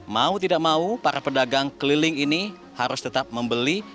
mau tidak mau para pedagang keliling ini harus tetap membeli